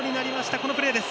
このプレーです。